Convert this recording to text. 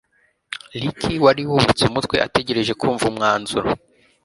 Ricky wari wubitse umutwe ategereje kumva umwanzuro